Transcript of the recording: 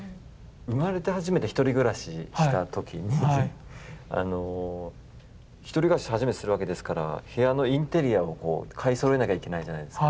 生まれて初めて１人暮らしした時に１人暮らし初めてするわけですから部屋のインテリアを買いそろえなきゃいけないじゃないですか。